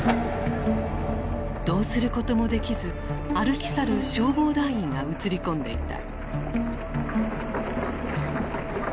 どうすることもできず歩き去る消防団員が映り込んでいた。